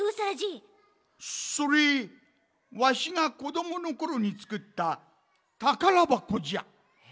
それわしがこどものころにつくったたからばこじゃ。え！？